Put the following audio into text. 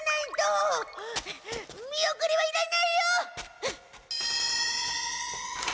見送りはいらないよ！